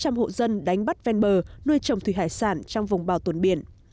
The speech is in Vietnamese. trong cuộc sống hơn tám trăm linh hộ dân đánh bắt ven bờ nuôi trồng thủy hải sản trong vùng bảo tồn biển